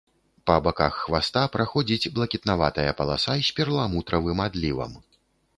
Па баках хваста праходзіць блакітнаватая паласа з перламутравым адлівам.